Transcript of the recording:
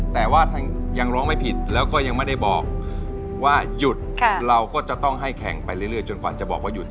แต่ว่ายังร้องไม่ผิดแล้วก็ยังไม่ได้บอกว่าหยุดเราก็จะต้องให้แข่งไปเรื่อยจนกว่าจะบอกว่าหยุด